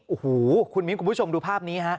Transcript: โอ้โหคุณมิ้นคุณผู้ชมดูภาพนี้ฮะ